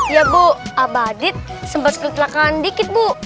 iya bu abadit sempat sekulit belakangan dikit bu